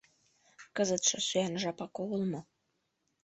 Кызытше сӱан жапак огыл мо?